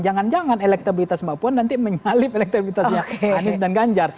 jangan jangan elektabilitas mbak puan nanti menyalip elektabilitasnya anies dan ganjar